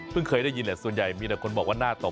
เพิ่งเคยได้ยินส่วนใหญ่มีแต่คนบอกว่าหน้าตบ